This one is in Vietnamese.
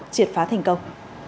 triệt phá thành công